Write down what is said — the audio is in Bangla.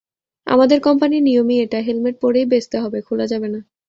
আমাদের কোম্পানির নিয়মই এটা, হেলমেট পরেই বেচতে হবে, খোলা যাবে না।